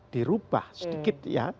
dirubah sedikit ya